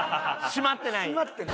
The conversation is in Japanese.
締まってない。